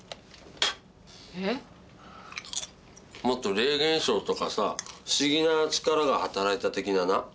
もっと霊現象とかさ不思議な力が働いた的なな？